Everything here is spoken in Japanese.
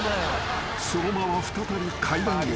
［そのまま再び階段へ］